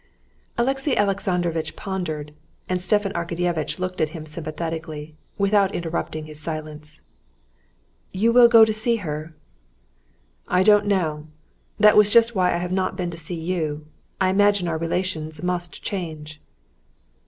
Alexey Alexandrovitch pondered, and Stepan Arkadyevitch looked at him sympathetically, without interrupting his silence. "You will go to see her?" "I don't know. That was just why I have not been to see you. I imagine our relations must change."